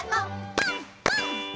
パンパン！